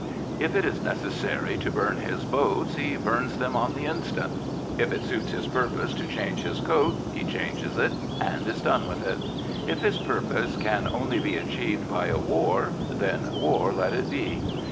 If it is necessary to burn his boats, he burns them on the instant. If it suits his purpose to change his coat, he changes it and is done with it. If his purpose can only be achieved by a war, then war let it be.